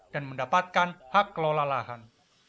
dan mendapatkan hak kelola lahan